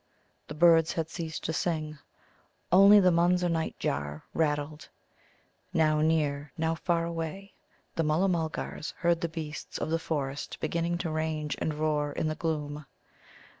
The birds had ceased to sing; only the Munza night jar rattled. Now near, now far away, the Mulla mulgars heard the beasts of the forest beginning to range and roar in the gloom.